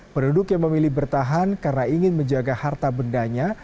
penduduk yang memilih bertahan karena ingin menjaga harta bendanya